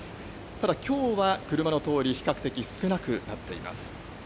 ただ、きょうは車の通り、比較的少なくなっています。